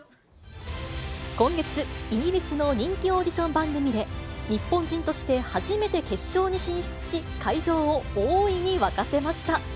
今月、イギリスの人気オーディション番組で、日本人として初めて決勝に進出し、会場を大いに沸かせました。